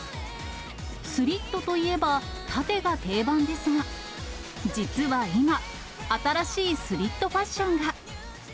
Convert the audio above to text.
スリットといえば、縦が定番ですが、実は今、新しいスリットファッションが。